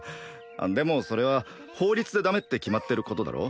でもそれは法律でダメって決まってることだろ